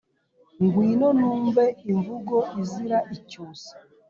Ngwino numve imvugo izira icyusa,